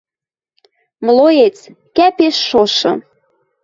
Млоец, кӓпеш шошы.